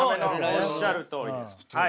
おっしゃるとおりです。